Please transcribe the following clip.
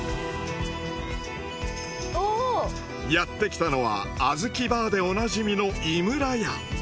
やってきたのはあずきバーでおなじみの井村屋。